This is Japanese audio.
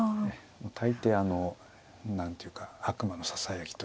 大抵あの何ていうか悪魔のささやきというかね。